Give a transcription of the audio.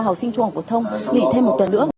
học sinh trung học phổ thông nghỉ thêm một tuần nữa